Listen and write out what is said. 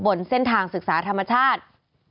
บนเส้นทางศึกษาธรรมชาติ